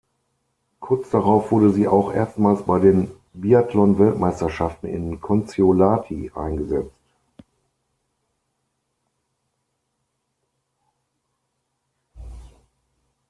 Kurz darauf wurde sie auch erstmals bei den Biathlon-Weltmeisterschaften in Kontiolahti eingesetzt.